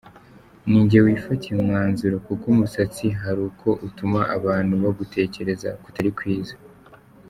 Ninjye wifatiye umwanzuro kuko umusatsi hari uko utuma abantu bagutekereza kutari kwiza.